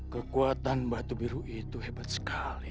kekuatan batu biru itu hebat sekali